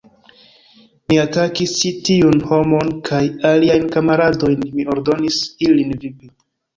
Mi atakis ĉi tiun homon kaj liajn kamaradojn, mi ordonis ilin vipi.